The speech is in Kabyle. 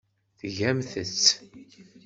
Tgamt-tt!